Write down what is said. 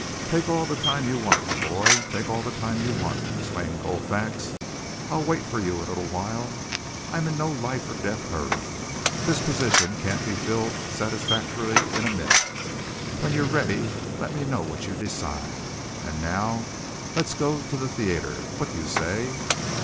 "Take all the time you want, my boy! Take all the time you want!" exclaimed Colfax. "I'll wait for you a little while. I'm in no life or death hurry. This position can't be filled satisfactorily in a minute. When you're ready, let me know what you decide. And now let's go to the theatre what do you say?"